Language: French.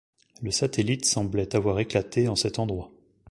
Le satellite semblait avoir éclaté en cet endroit.